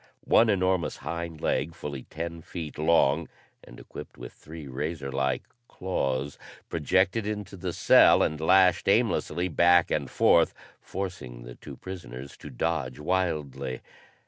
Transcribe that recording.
One enormous hind leg, fully ten feet long, and equipped with three razor like claws, projected into the cell and lashed aimlessly back and forth, forcing the two prisoners to dodge wildly.